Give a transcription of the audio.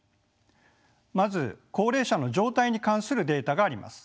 まず高齢者の状態に関するデータがあります。